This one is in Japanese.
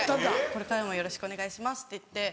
これからもよろしくお願いしますって言って。